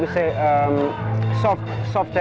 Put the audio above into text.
biar saya katakan ini adalah